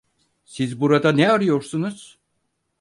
Siz burada ne arıyorsunuz?